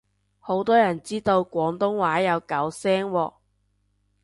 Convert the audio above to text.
好多人知道廣東話有九聲喎